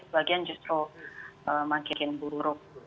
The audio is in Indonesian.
sebagian justru makin buruk